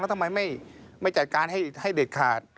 ทำไมไม่จัดการให้เด็ดขาด